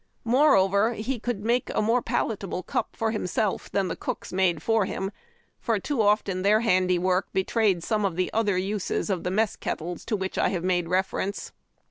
Moreover, he could make a more palatable cup for himself than the cooks nuide for him ; for too often their handiwork betrayed some of the other uses of the mess kettles to which I have made reference.